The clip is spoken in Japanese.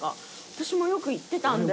私もよく行ってたんで。